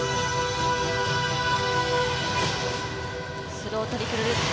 スロートリプルルッツ。